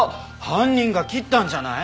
犯人が切ったんじゃない？